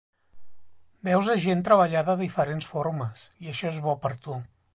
Veus a gent treballar de diferents formes, i això és bo per tu.